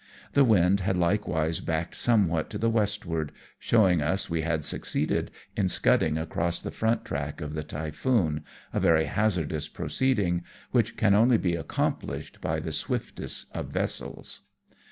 The wind had likewise backed somewhat to the westward, showing us we had succeeded in scudding across the front track of the typhoon, a very hazardous proceed ing, which can only be accomplished by the swiftest of vessels.